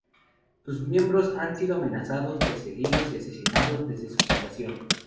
Sus miembros han sido amenazados, perseguidos y asesinados desde su fundación.